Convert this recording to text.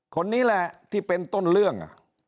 คนนี้แหละที่เป็นต้นเรื่อง